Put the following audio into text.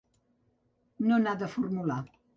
No n’ha de formular.